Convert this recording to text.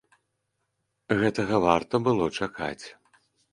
Гэтага варта было чакаць.